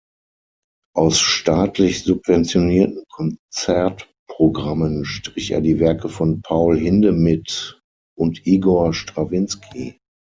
Aus staatlich subventionierten Konzertprogrammen strich er die Werke von Paul Hindemith und Igor Strawinsky.